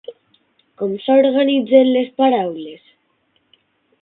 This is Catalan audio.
Com s'organitzen les paraules?